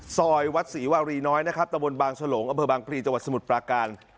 ซอยวัดศรีวารีน้อยนะครับตะบนบางฉลงอำเภอบางพลีจังหวัดสมุทรปราการ